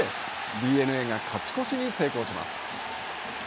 ＤｅＮＡが勝ち越しに成功します。